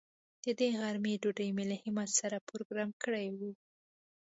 د دې غرمې ډوډۍ مې له همت سره پروگرام کړې وه.